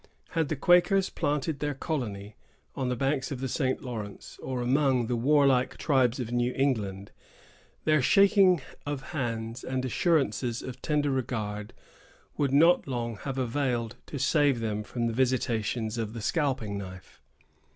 Had the Quakers planted their colony on the banks of the St. Lawrence, or among the warlike tribes of New England, their shaking of hands and assurances of tender regard would not long have availed to save them from the visitations of the scalping knife.